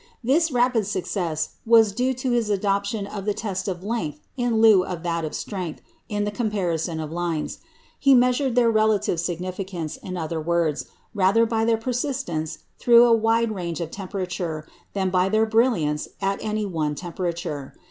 This rapid success was due to his adoption of the test of length in lieu of that of strength in the comparison of lines. He measured their relative significance, in other words, rather by their persistence through a wide range of temperature, than by their brilliancy at any one temperature.